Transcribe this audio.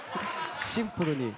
シンプルに。